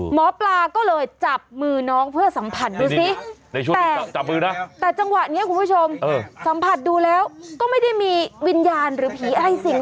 หมอปลาก็เลยจับมือน้องเพื่อสัมผัสดูสิในช่วงจับมือนะแต่จังหวะนี้คุณผู้ชมสัมผัสดูแล้วก็ไม่ได้มีวิญญาณหรือผีอะไรสิ่ง